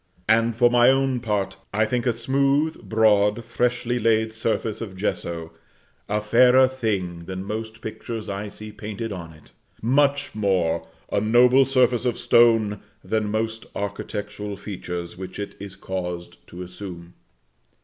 And, for my own part, I think a smooth, broad, freshly laid surface of gesso a fairer thing than most pictures I see painted on it; much more, a noble surface of stone than most architectural features which it is caused to assume.